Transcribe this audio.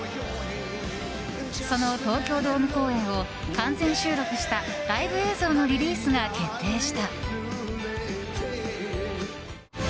その東京ドーム公演を完全収録したライブ映像のリリースが決定した。